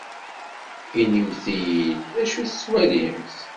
Inimt-iyi-d d acu i tettwalimt.